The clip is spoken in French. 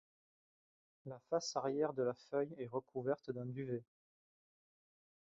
La face arrière de la feuille est recouverte d’un duvet.